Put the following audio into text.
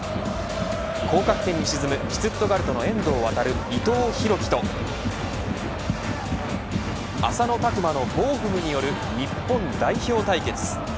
降格圏に沈むシュツットガルトの遠藤航、伊藤洋輝と浅野拓磨のボーフムによる日本代表対決。